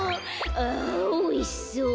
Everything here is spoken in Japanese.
「あおいしそう。